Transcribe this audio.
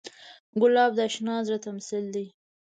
ګلاب د اشنا زړه تمثیل دی.